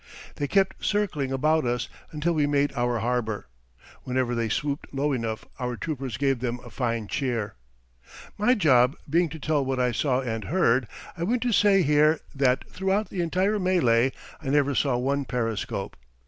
They kept circling about us until we made our harbor. Whenever they swooped low enough our troopers gave them a fine cheer. My job being to tell what I saw and heard, I want to say here that throughout the entire mêlée I never saw one periscope!